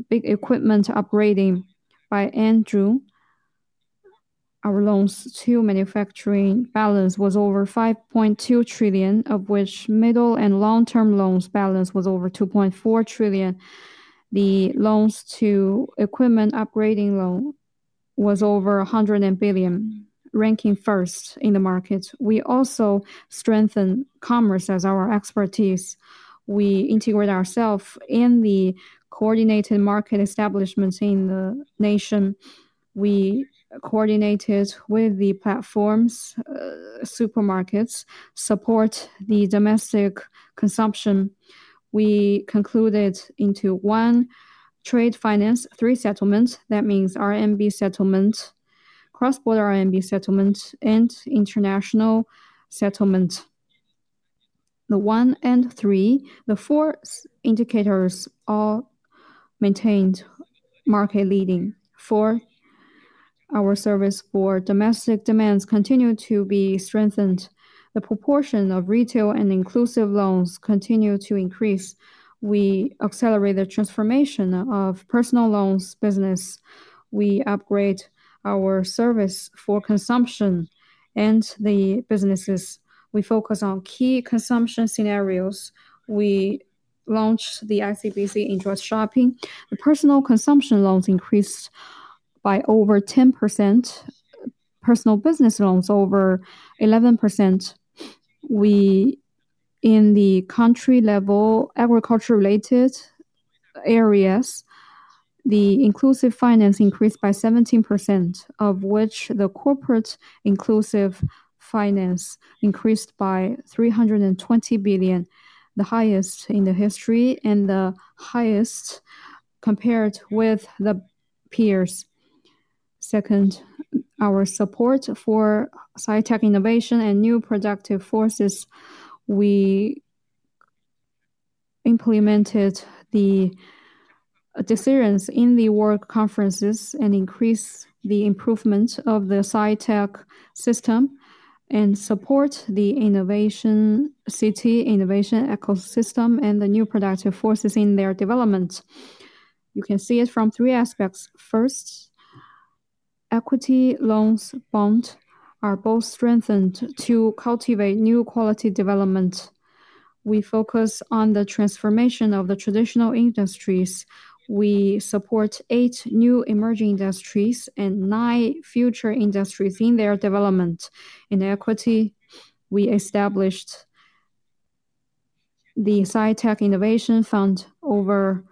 big equipment upgrading. By end of June, our loans to manufacturing balance was over 5.2 trillion, of which middle and long-term loans balance was over 2.4 trillion. The loans to equipment upgrading loan was over 100 billion, ranking first in the market. We also strengthened commerce as our expertise. We integrate ourselves in the coordinated market establishments in the nation. We coordinated with the platforms, supermarkets, support the domestic consumption. We concluded into one trade finance, three settlements. That means RMB settlement, cross-border RMB settlement, and international settlement. The one and three, the four indicators all maintained market leading. Four, our service for domestic demands continue to be strengthened. The proportion of retail and inclusive loans continue to increase. We accelerate the transformation of personal loans business. We upgrade our service for consumption and the businesses. We focus on key consumption scenarios. We launched the ICBC interest shopping. The personal consumption loans increased by over 10%. Personal business loans over 11%. In the country-level agriculture-related areas, the inclusive finance increased by 17%, of which the corporate inclusive finance increased by 320 billion, the highest in the history and the highest compared with the peers. Second, our support for sci-tech innovation and new productive forces. We implemented the decisions in the world conferences and increased the improvement of the sci-tech system and support the innovation city, innovation ecosystem, and the new productive forces in their development. You can see it from three aspects. First, equity, loans, bonds are both strengthened to cultivate new quality development. We focus on the transformation of the traditional industries. We support eight new emerging industries and nine future industries in their development. In equity, we established the Sci-tech Innovation Fund over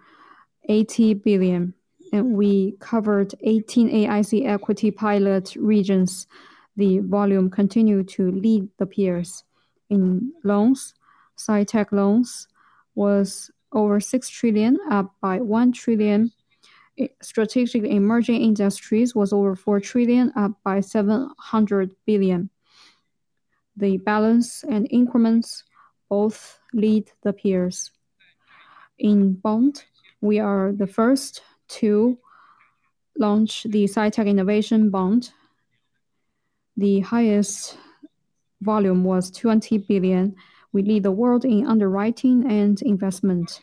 80 billion, and we covered 18 AIC equity pilot regions. The volume continued to lead the peers. In loans, sci-tech loans was over 6 trillion, up by 1 trillion. Strategic emerging industries was over 4 trillion, up by 700 billion. The balance and increments both lead the peers. In bond, we are the first to launch the Sci-tech Innovation Bond. The highest volume was 20 billion. We lead the world in underwriting and investment.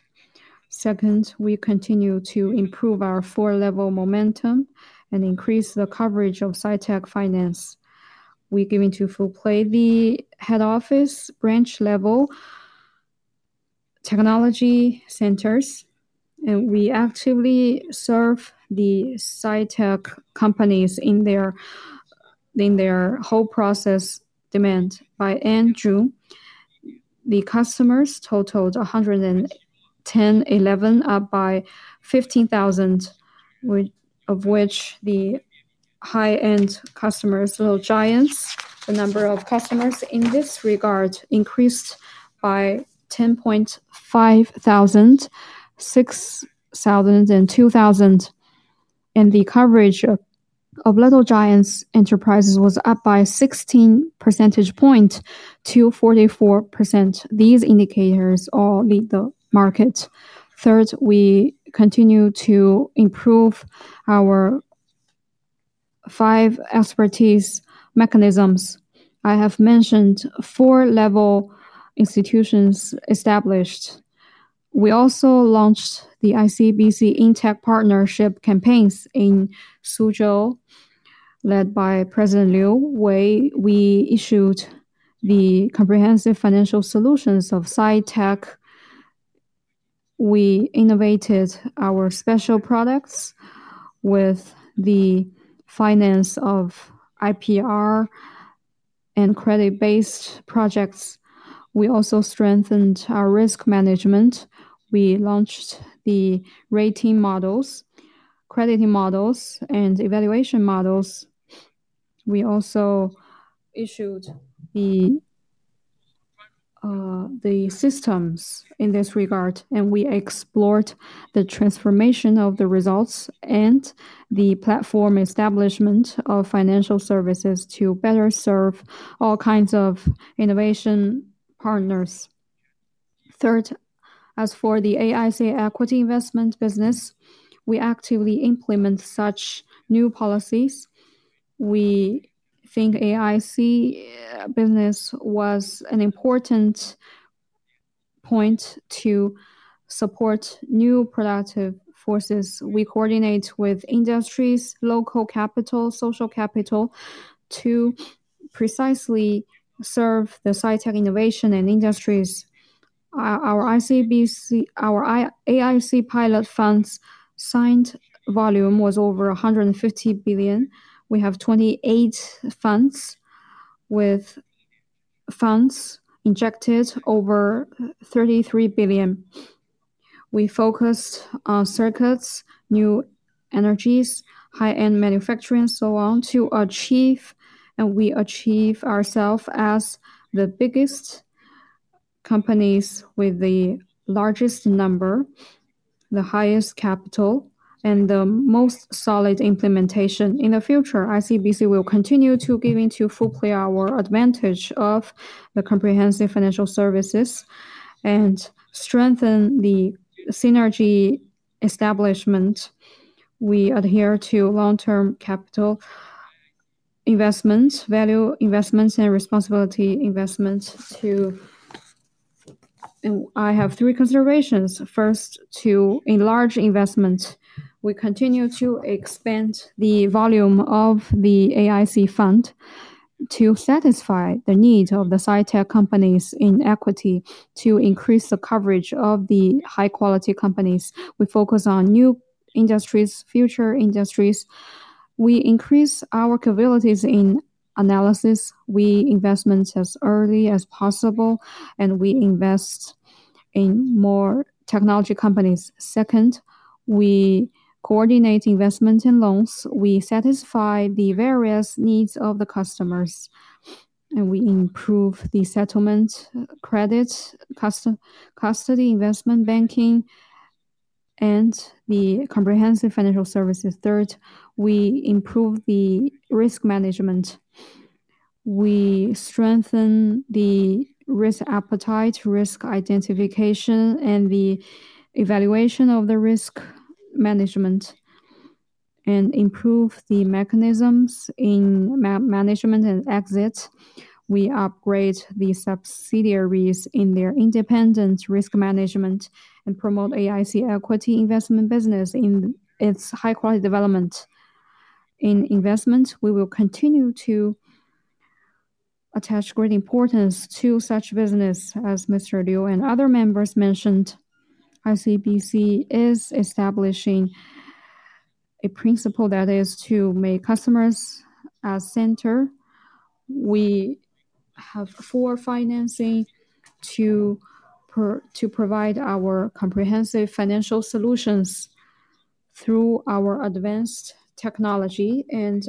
Second, we continue to improve our four-level momentum and increase the coverage of sci-tech finance. We give full play to the head office branch-level technology centers, and we actively serve the sci-tech companies in their whole process demand. By end of June, the customers totaled 110,000, up by 15,000, of which the high-end customers were giants. The number of customers in this regard increased by 10,500, 6,000, and 2,000, and the coverage of little giants enterprises was up by 16 percentage points to 44%. These indicators all lead the market. Third, we continue to improve our five expertise mechanisms. I have mentioned four-level institutions established. We also launched the ICBC InTech Partnership campaigns in Suzhou led by President Liu Jun. We issued the comprehensive financial solutions of sci-tech. We innovated our special products with the finance of IPR and credit-based projects. We also strengthened our risk management. We launched the rating models, credit models, and evaluation models. We also issued the systems in this regard, and we explored the transformation of the results and the platform establishment of financial services to better serve all kinds of innovation partners. Third, as for the AIC equity investment business, we actively implement such new policies. We think AIC business was an important point to support new productive forces. We coordinate with industries, local capital, social capital to precisely serve the sci-tech innovation and industries. Our AIC pilot funds' signed volume was over 150 billion. We have 28 funds with funds injected over 33 billion. We focused on circuits, new energies, high-end manufacturing, and so on to achieve, and we achieve ourselves as the biggest companies with the largest number, the highest capital, and the most solid implementation. In the future, Industrial and Commercial Bank of China will continue to give into full play our advantage of the comprehensive financial services and strengthen the synergy establishment. We adhere to long-term capital investments, value investments, and responsibility investments too. I have three considerations. First, to enlarge investment. We continue to expand the volume of the AIC fund to satisfy the need of the sci-tech companies in equity to increase the coverage of the high-quality companies. We focus on new industries, future industries. We increase our capabilities in analysis. We invest as early as possible, and we invest in more technology companies. Second, we coordinate investment and loans. We satisfy the various needs of the customers, and we improve the settlement, credit, custody, investment banking, and the comprehensive financial services. Third, we improve the risk management. We strengthen the risk appetite, risk identification, and the evaluation of the risk management and improve the mechanisms in management and exit. We upgrade the subsidiaries in their independent risk management and promote AIC equity investment business in its high-quality development. In investment, we will continue to attach great importance to such business. As Mr. Liu and other members mentioned, ICBC is establishing a principle that is to make customers a center. We have four financing to provide our comprehensive financial solutions through our advanced technology and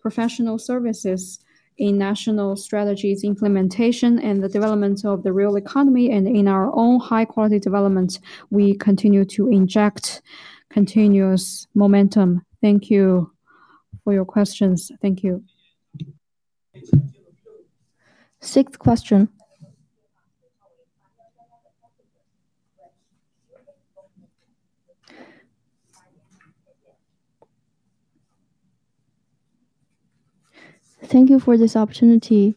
professional services in national strategies implementation and the development of the real economy and in our own high-quality development. We continue to inject continuous momentum. Thank you for your questions. Thank you. Sixth question. Thank you for this opportunity.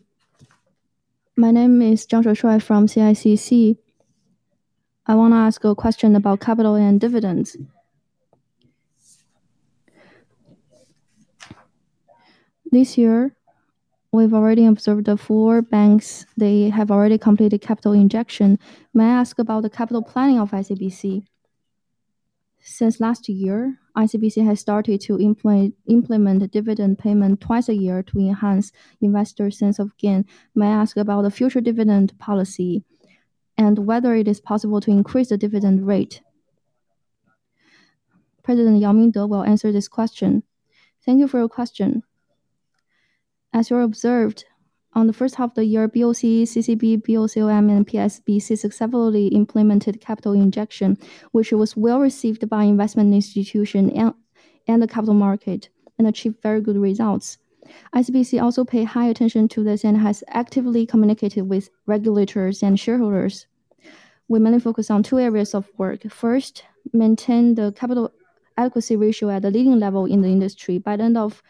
My name is Zhang Shuaishuai from CICC. I want to ask a question about capital and dividends. This year, we've already observed the four banks. They have already completed capital injection. May I ask about the capital planning of ICBC? Since last year, ICBC has started to implement dividend payment twice a year to enhance investors' sense of gain. May I ask about the future dividend policy and whether it is possible to increase the dividend rate? President Yao Mingde will answer this question. Thank you for your question. As you observed, on the first year POC, CCP, POCY, and PSBC successfully implemented capital injection, which was well received by investment institutions and the capital market, and achieved very good results. ICBC also paid high attention to this and has actively communicated with regulators and shareholders. We mainly focus on two areas of work. First, maintain the capital adequacy ratio at the leading level in the industry. By the end of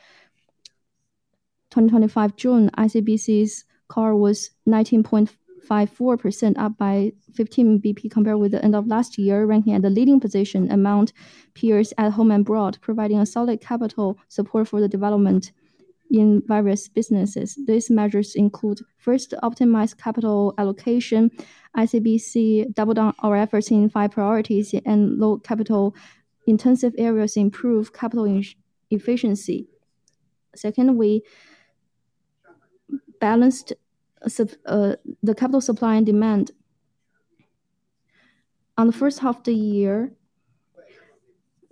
June 2025, ICBC's CAR was 19.54%, up by 15 basis points compared with the end of last year, ranking at the leading position among peers at home and abroad, providing a solid capital support for the development in various businesses. These measures include, first, optimize capital allocation. ICBC doubled down our efforts in five priorities, and low capital-intensive areas improved capital efficiency. Second, we balanced the capital supply and demand. In the first half of the year,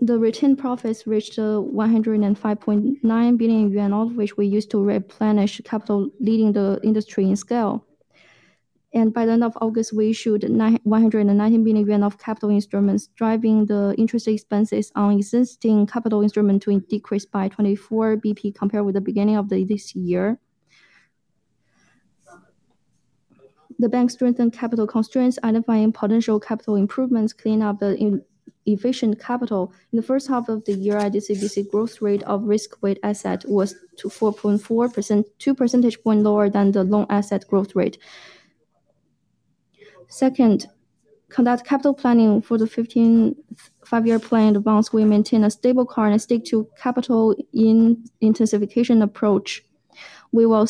the retained profits reached 105.9 billion yuan, all of which we used to replenish capital, leading the industry in scale. By the end of August, we issued 119 billion of capital instruments, driving the interest expenses on existing capital instruments to decrease by 24 basis points compared with the beginning of this year. The bank strengthened capital constraints, identifying potential capital improvements, cleaning up inefficient capital. In the first half of the year, ICBC's growth rate of risk-weighted assets was 4.4%, two percentage points lower than the loan asset growth rate. Second, conduct capital planning for the five-year plan in advance. We maintain a stable CAR and stick to a capital intensification approach. We will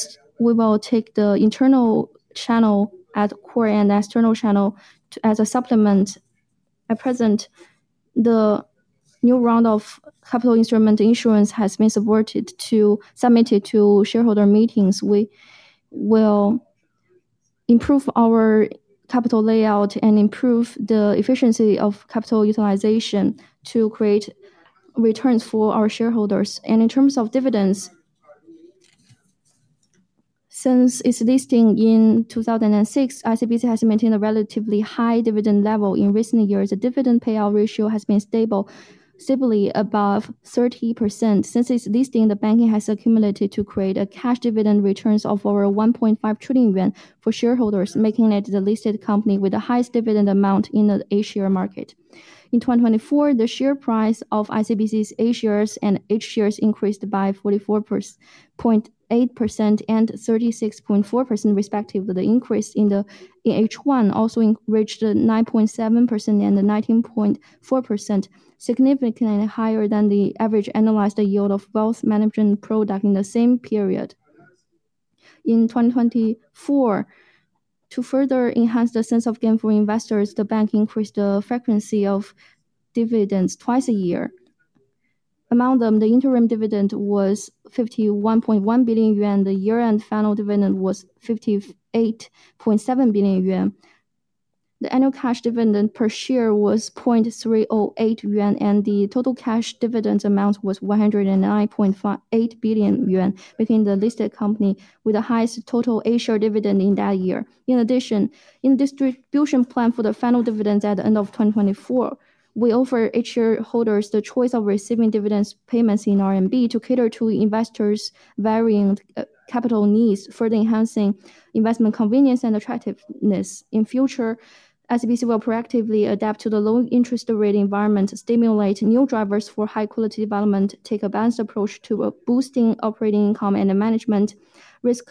take the internal channel at core and external channel as a supplement. At present, the new round of capital instrument issuance has been submitted to shareholder meetings. We will improve our capital layout and improve the efficiency of capital utilization to create returns for our shareholders. In terms of dividends, since its listing in 2006, ICBC has maintained a relatively high dividend level. In recent years, the dividend payout ratio has been stable, stably above 30%. Since its listing, the bank has accumulated to create a cash dividend returns of over 1.5 trillion yuan for shareholders, making it the listed company with the highest dividend amount in the A-share market. In 2024, the share price of ICBC's A shares and H shares increased by 44.8% and 36.4% respectively. The increase in the H1 also reached 9.7% and 19.4%, significantly higher than the average annualized yield of wealth management product in the same period. In 2024, to further enhance the sense of gain for investors, the bank increased the frequency of dividends twice a year. Among them, the interim dividend was 51.1 billion yuan. The year-end final dividend was 58.7 billion yuan. The annual cash dividend per share was 0.308 yuan, and the total cash dividend amount was 109.58 billion yuan, making the listed company with the highest total A-share dividend in that year. In addition, in the distribution plan for the final dividends at the end of 2024, we offer H-shareholders the choice of receiving dividend payments in RMB to cater to investors' varying capital needs, further enhancing investment convenience and attractiveness. In the future, ICBC will proactively adapt to the low-interest rate environment, stimulate new drivers for high-quality development, take a balanced approach to boosting operating income, and manage risk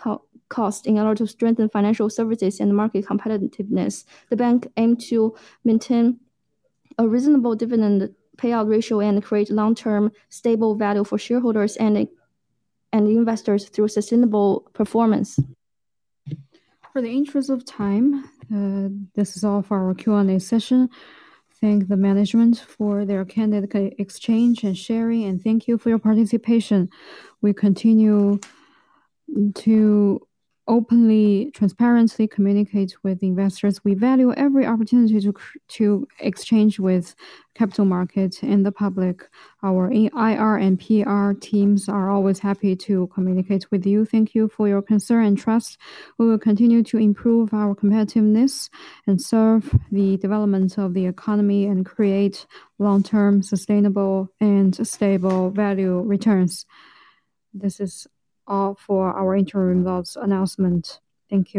costs in order to strengthen financial services and market competitiveness. The bank aims to maintain a reasonable dividend payout ratio and create long-term stable value for shareholders and investors through sustainable performance. For the interest of time, this is all for our Q&A session. Thank the management for their candid exchange and sharing, and thank you for your participation. We continue to openly and transparently communicate with investors. We value every opportunity to exchange with the capital market and the public. Our IR and PR teams are always happy to communicate with you. Thank you for your concern and trust. We will continue to improve our competitiveness and serve the development of the economy and create long-term sustainable and stable value returns. This is all for our interim results announcement. Thank you.